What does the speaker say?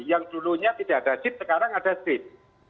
yang dulunya tidak ada sip sekarang ada sip